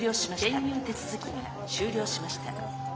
転入手続きが終了しました。